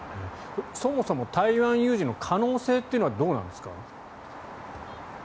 そもそも台湾有事の可能性というのはどうなんですか？